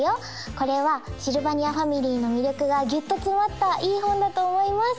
これはシルバニアファミリーの魅力がギュッと詰まったいい本だと思います